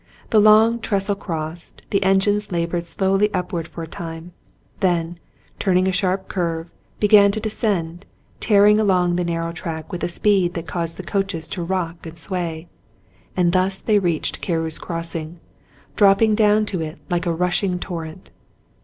The long trestle crossed, the engines labored slowly upward for a time, then, turning a sharp curve, began to descend, tearing along the narrow track with a speed that caused the coaches to rock and sway; and thus they reached Carew's Crossing, dropping down to it like a rush ing torrent.